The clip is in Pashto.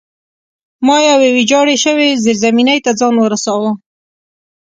ما یوې ویجاړې شوې زیرزمینۍ ته ځان ورساوه